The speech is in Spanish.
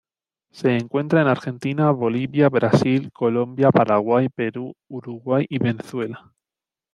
Se encuentra en Argentina, Bolivia, Brasil, Colombia, Paraguay, Perú, Uruguay y Venezuela.